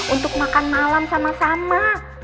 untuk makan malam sama sama